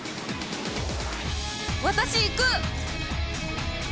私行く！